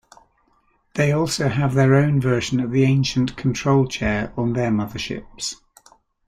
They also have their own version of the Ancient control chair on their motherships.